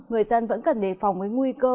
người dân vẫn cần đề phòng với nguy cơ